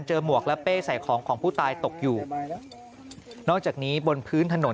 หมวกและเป้ใส่ของของผู้ตายตกอยู่นอกจากนี้บนพื้นถนน